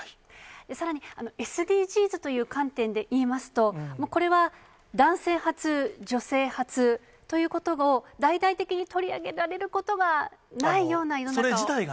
さらに、ＳＤＧｓという観点でいいますと、これは男性初、女性初ということを、大々的に取り上げられることがないような世の中を。